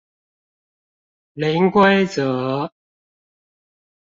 零規則